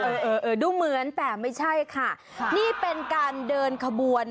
เออเออดูเหมือนแต่ไม่ใช่ค่ะนี่เป็นการเดินขบวน